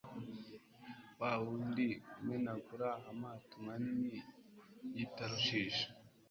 wa wundi umenagura amato manini y'i tarishishi